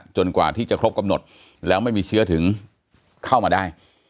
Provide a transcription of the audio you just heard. กว่าที่จะครบกำหนดแล้วไม่มีเชื้อถึงเข้ามาได้